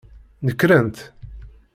Nekrent.